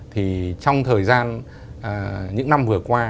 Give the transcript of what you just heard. thì trong thời gian những năm vừa qua